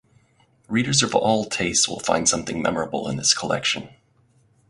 Readers of all tastes will find something memorable in this collection.